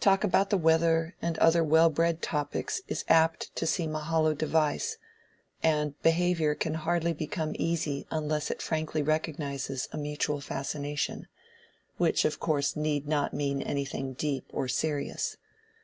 Talk about the weather and other well bred topics is apt to seem a hollow device, and behavior can hardly become easy unless it frankly recognizes a mutual fascination—which of course need not mean anything deep or serious.